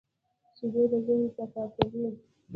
شیدې د ذهن صفا کوي